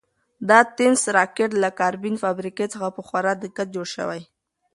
دا د تېنس راکټ له کاربن فایبر څخه په خورا دقت جوړ شوی.